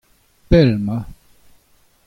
pell emañ.